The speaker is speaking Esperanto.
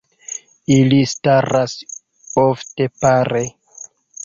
Ili staras ofte pare.